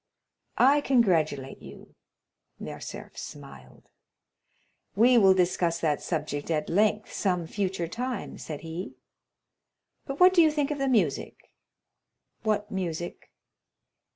"I congratulate you." Morcerf smiled. "We will discuss that subject at length some future time," said he. "But what do you think of the music?" "What music?"